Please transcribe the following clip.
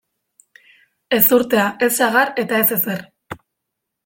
Ezurtea, ez sagar eta ez ezer.